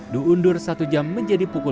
diundur satu jam menjadi pukul